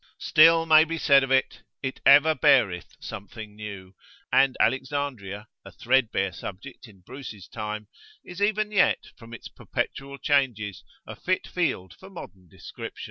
Still may be said of it, "it ever beareth something new[FN#14];" and Alexandria, a threadbare subject in Bruce's time, is even yet, from its perpetual changes, a fit field for modern description.